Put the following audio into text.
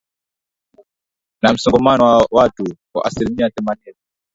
na msongamano wa watu wa asilimia themanini